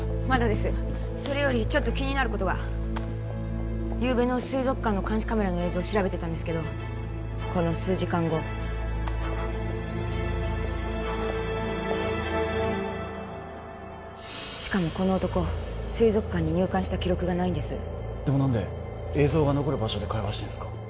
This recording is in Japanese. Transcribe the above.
まだですそれよりちょっと気になることがゆうべの水族館の監視カメラの映像を調べてたんですけどこの数時間後しかもこの男水族館に入館した記録がないんですでも何で映像が残る場所で会話してるんですか？